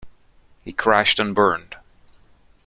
He crashed and burned